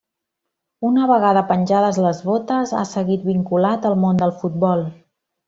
Una vegada penjades les botes, ha seguit vinculat al món del futbol.